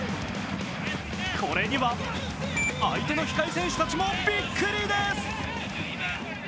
これには相手の控え選手たちもビックリです。